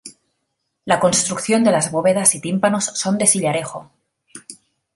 La construcción de las bóvedas y tímpanos son de sillarejo.